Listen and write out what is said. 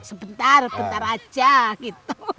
sebentar sebentar aja gitu